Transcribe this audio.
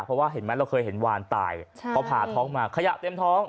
เพราะว่าเห็นไหมเราเคยเห็นวานตายเขาผ่าท้องมาขยะเต็มท้อง